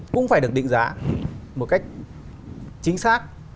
cũng phải được định giá một cách chính xác